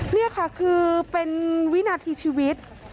นี่ค่ะคือเป็นวินาทีชีวิต